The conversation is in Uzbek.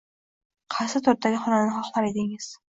Qaysi turdagi xonani xohlar edingiz?